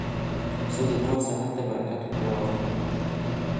پسه د کور ساحت ته برکت راوړي.